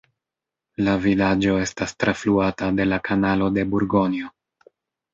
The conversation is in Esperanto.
La vilaĝo estas trafluata de la kanalo de Burgonjo.